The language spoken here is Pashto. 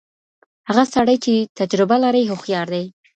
هغه سړی چي تجربه لري هوښیار دی.